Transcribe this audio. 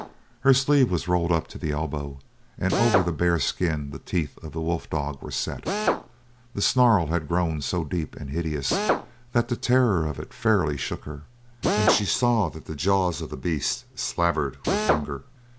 Her sleeve was rolled up to the elbow, and over the bare skin the teeth of the wolf dog were set. The snarl had grown so deep and hideous that the tremor of it fairly shook her, and she saw that the jaws of the beast slavered with hunger.